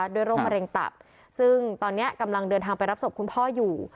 โรคมะเร็งตับซึ่งตอนนี้กำลังเดินทางไปรับศพคุณพ่ออยู่